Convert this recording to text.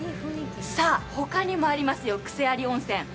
他にもありますよ、クセあり温泉。